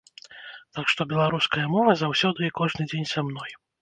Так што беларуская мова заўсёды і кожны дзень са мной.